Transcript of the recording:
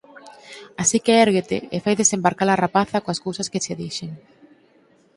Así que érguete e fai desembarca-la rapaza coas cousas que che dixen.